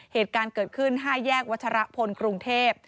เหตุการณ์เกิดขึ้น๕แยกวัชรพลกรุงเทพ